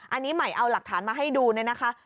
อันนี้ใหม่เอาหลักฐานมาให้ดูเนี่ยนะคะ